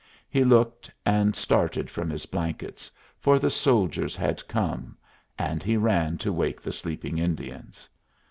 He looked, and started from his blankets, for the soldiers had come, and he ran to wake the sleeping Indians.